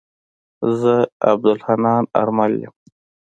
زه عبدالحنان آرمل يم.